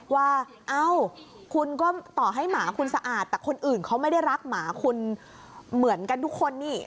ว่าเอ้าคุณก็ต่อให้หมาคุณสะอาดแต่คนอื่นเขาไม่ได้รักหมาคุณเหมือนกันทุกคนนี่